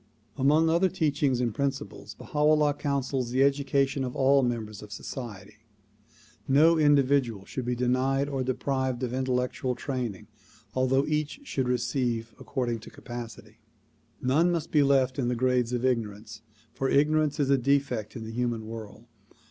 Among other teachings and principles Baha 'Ullah counsels the education of all members of society. No individual should be denied or deprived of intellectual training although each should receive according to capacity. None must be left in the grades of ignorance, for ignorance is a defect in the human world.